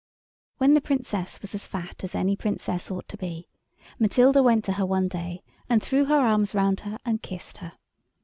When the Princess was as fat as any Princess ought to be, Matilda went to her one day, and threw her arms round her and kissed her.